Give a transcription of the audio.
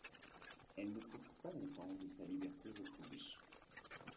Elle ne profite pas longtemps de sa liberté retrouvée.